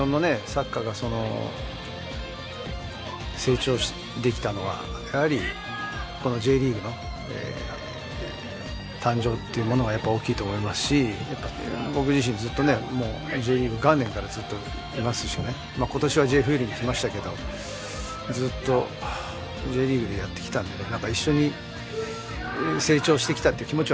サッカーがその成長できたのはやはりこのＪリーグの誕生っていうものがやっぱ大きいと思いますし僕自身ずっとねもうＪリーグ元年からずっといますしねまあ今年はＪＦＬに来ましたけどずっとＪリーグでやってきたんでね